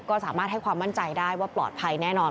ก็สามารถให้ความมั่นใจได้ว่าปลอดภัยแน่นอน